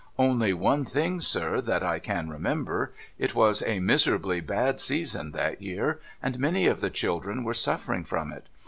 ' Only one thing, sir, that I can remember. It was a miserably bad season, that year ; and many of the children v»ere suffering from it.